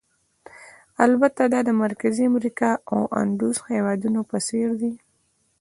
البته دا د مرکزي امریکا او اندوس هېوادونو په څېر دي.